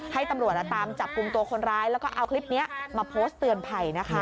ให้ตำรวจตามจับกลุ่มตัวคนร้ายแล้วก็เอาคลิปนี้มาโพสต์เตือนภัยนะคะ